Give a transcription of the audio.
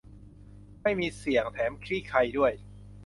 ไม่มีเสี่ยง แถมขี้ไคลด้วย